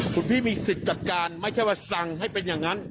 คุณพี่มีสิทธิ์จัดการไม่ใช่ว่าสั่งให้เป็นอย่างนั้น